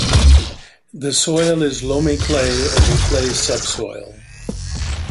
The soil is loamy clay over clay subsoil.